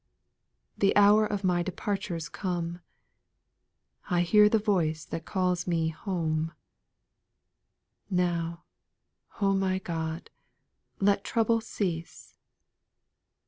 5. The hour of my departure 's come, I hear the voice that calls me home ; Now, my God, let trouble cease.